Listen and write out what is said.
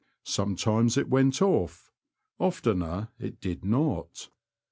Sometimes it went off"; oftener it did not.